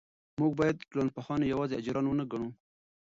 موږ باید ټولنپوهان یوازې اجیران ونه ګڼو.